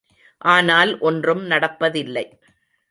ஆனால் ஒன்றும் நடப்பதில்லை.